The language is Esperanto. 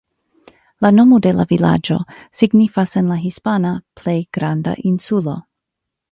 La nomo de la vilaĝo signifas en la hispana "Plej granda insulo".